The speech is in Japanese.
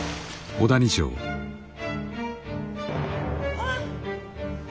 あっ。